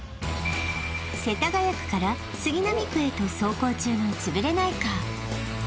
世田谷区から杉並区へと走行中のつぶれないカー